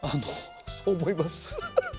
そう思います。